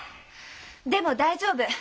でも大丈夫。